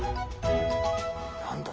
何だ？